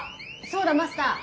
そうだマスター。